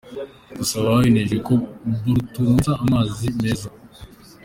Dusaba ababijejwe ko boturonsa amazi meza '.